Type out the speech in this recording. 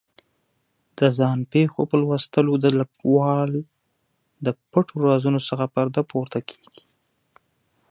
د ځان پېښو په لوستلو د لیکوال د پټو رازونو څخه پردې پورته کېږي.